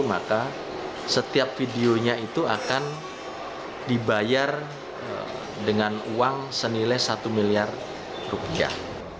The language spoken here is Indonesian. maka setiap videonya itu akan dibayar dengan uang senilai satu miliar rupiah